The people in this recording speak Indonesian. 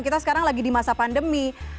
kita sekarang lagi di masa pandemi